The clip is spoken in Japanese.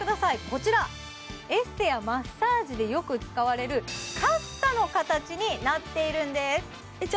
こちらエステやマッサージでよく使われるカッサの形になっているんですえっ